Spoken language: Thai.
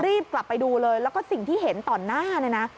รีบกลับไปดูเลยแล้วก็สิ่งที่เห็นต่อหน้าเนี่ยนะ